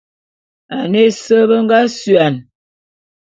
Ane ese be nga suane.